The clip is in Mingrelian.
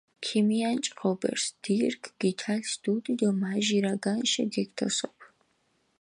ქიმიანჭჷ ღობერს, დირგჷ გითალს დუდი დო მაჟირა განშე გეგთოსოფჷ.